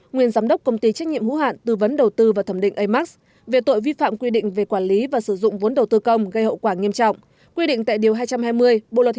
nguyên giám đốc công ty trách nhiệm hữu hạn tư vấn đầu tư và thẩm định amax về tội vi phạm quy định về quản lý và sử dụng vốn đầu tư công gây hậu quả nghiêm trọng quy định tại điều hai trăm hai mươi bộ luật hình sự năm hai nghìn một mươi năm vai trò đồng phạm